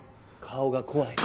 顔が怖い。